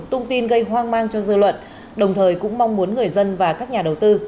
tung tin gây hoang mang cho dư luận đồng thời cũng mong muốn người dân và các nhà đầu tư